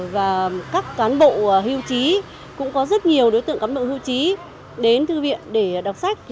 và các cán bộ hưu trí cũng có rất nhiều đối tượng cán bộ hưu trí đến thư viện để đọc sách